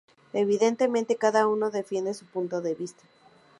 Evidentemente, cada uno defiende su punto de vista.